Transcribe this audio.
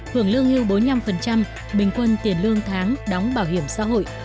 hưởng lương hưu bốn mươi năm bình quân tiền lương tháng đóng bảo hiểm xã hội